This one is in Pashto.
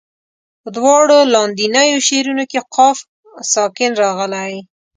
په دواړو لاندنیو شعرونو کې قاف ساکن راغلی.